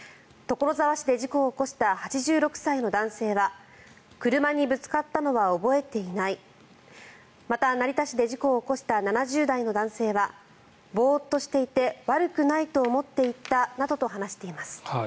所沢市で事故を起こした８６歳の男性は車にぶつかったのは覚えていないまた成田市で事故を起こした７０代の男性はボーッとしていて悪くないと思って行ったなどと話しています。